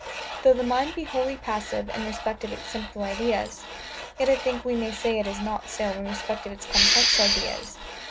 Though the mind be wholly passive in respect of its simple ideas; yet, I think, we may say it is not so in respect of its complex ideas.